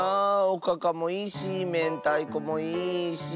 おかかもいいしめんたいこもいいし。